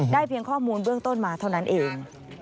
เพียงข้อมูลเบื้องต้นมาเท่านั้นเอง